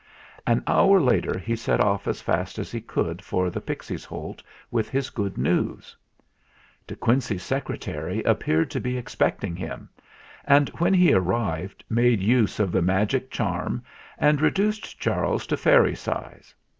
An hour later he set off as fast as he could for the Pixies' Holt with his good news. 220 THE FLINT HEART De Quincey's Secretary appeared to be ex pecting him, and when he arrived made use of the magic charm and reduced Charles to fairy size.